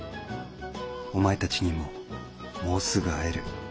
お前たちにももうすぐ会える。